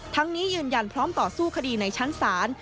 นี้ยืนยันพร้อมต่อสู้คดีในชั้นศาล